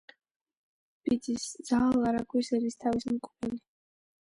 ბიძის, ზაალ არაგვის ერისთავის მკვლელი.